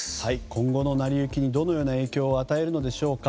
今後の成り行きにどのような影響を与えるのでしょうか。